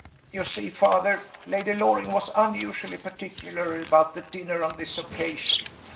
"You see, Father, Lady Loring was unusually particular about the dinner on this occasion.